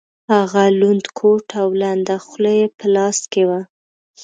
هغه لوند کوټ او لنده خولۍ یې په لاس کې وه.